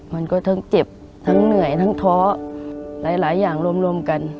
มันก็ทั้งเจ็บทั้งเหนื่อยทั้งท้อหลายอย่างรวมกัน